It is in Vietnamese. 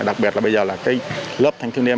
đặc biệt là bây giờ là lớp thanh thiên niên